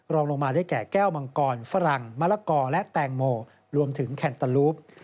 รองลงมาได้แก่แก้วมังกรฝรั่งมะละกอและแตงโมรวมถึงแคนเตอร์ลูป